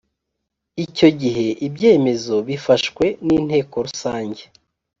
icyo gihe ibyemezo bifashwe n inteko rusange